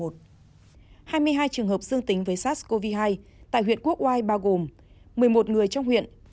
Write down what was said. hai mươi hai trường hợp dương tính với sars cov hai tại huyện quốc oai bao gồm một mươi một người trong huyện